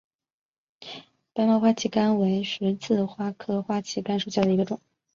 白毛花旗杆为十字花科花旗杆属下的一个种。